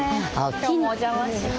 今日もお邪魔します。